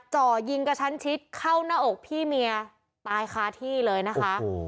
จ่อยิงกระชั้นชิดเข้าหน้าอกพี่เมียตายคาที่เลยนะคะ